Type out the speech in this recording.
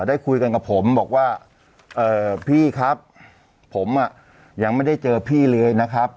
ได้คุยกันกับผมบอกว่าเอ่อพี่ครับผมอ่ะยังไม่ได้เจอพี่เลยนะครับ